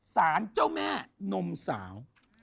สารเจ้าแม่นมสาว